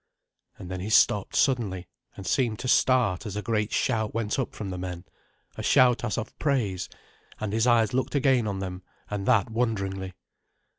And then he stopped suddenly, and seemed to start as a great shout went up from the men, a shout as of praise; and his eyes looked again on them, and that wonderingly.